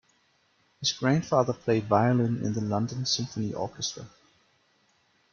His grandfather played violin in the London Symphony Orchestra.